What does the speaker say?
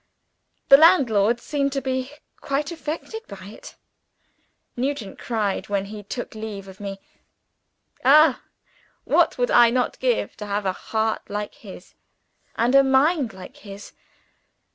The landlord seemed to be quite affected by it. Nugent cried when he took leave of me. Ah, what would I not give to have a heart like his and a mind like his!